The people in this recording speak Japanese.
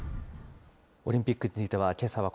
オリンピックについては、けさ